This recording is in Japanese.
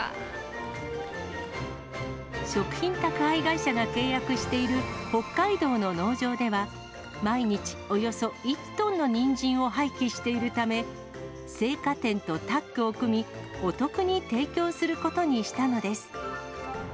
食品宅配会社が契約している北海道の農場では、毎日およそ１トンのにんじんを廃棄しているため、青果店とタッグを組み、お得に提供することにしたのです。